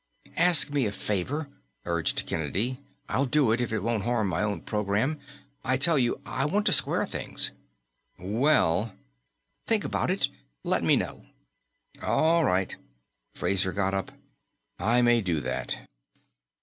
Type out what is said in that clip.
"Ask me a favor," urged Kennedy. "I'll do it, if it won't harm my own program. I tell you, I want to square things." "Well " "Think about it. Let me know." "All right." Fraser got up. "I may do that."